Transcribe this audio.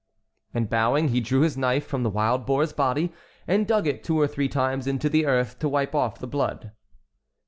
And bowing, he drew his knife from the wild boar's body and dug it two or three times into the earth to wipe off the blood.